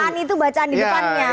jangan itu bacaan di depannya